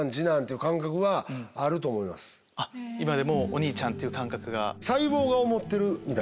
今でもお兄ちゃんっていう感覚が。